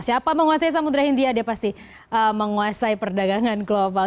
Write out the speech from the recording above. siapa menguasai samudera india dia pasti menguasai perdagangan global